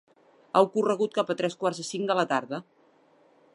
Ha ocorregut cap a tres quarts de cinc de la tarda.